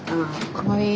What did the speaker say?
かわいい。